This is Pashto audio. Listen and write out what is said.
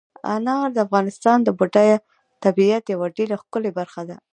انار د افغانستان د بډایه طبیعت یوه ډېره ښکلې برخه ده.